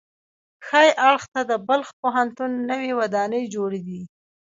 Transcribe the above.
ښي اړخ ته د بلخ پوهنتون نوې ودانۍ جوړې دي.